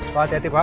pak hati hati pak